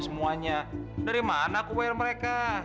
semuanya dari mana aku bayar mereka